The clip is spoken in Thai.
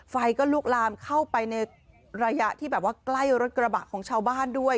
ไฟก็ลุกลามเข้าไปในระยะที่แบบว่าใกล้รถกระบะของชาวบ้านด้วย